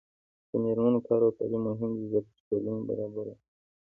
د میرمنو کار او تعلیم مهم دی ځکه چې ټولنې برابري راولي.